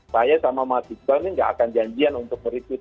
saya sama mas jitbal ini tidak akan janjian untuk merequit